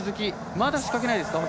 ほかは仕掛けないですか？